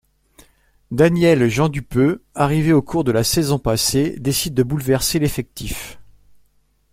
Daniel Jeandupeux, arrivé au cours de la saison passée, décide de bouleverser l'effectif.